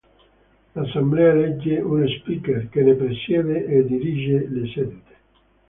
L'Assemblea elegge uno speaker, che ne presiede e dirige le sedute.